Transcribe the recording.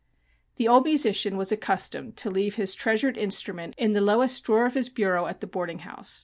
The old musician was accustomed to leave his treasured instrument in the lowest drawer of his bureau at the boarding house.